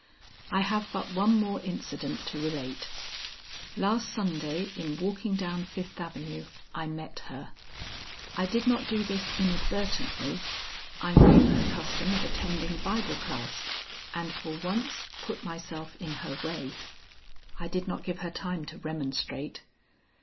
I have but one more incident to relate. Last Sunday in walking down Fifth Avenue I met her. I did not do this inadvertently. I knew her custom of attending Bible class and for once put myself in her way. I did not give her time to remonstrate.